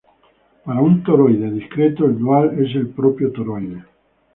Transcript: Para un toroide discreto, el dual es el propio toroide.